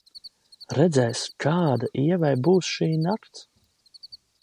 Redzēs, kāda Ievai būs šī nakts.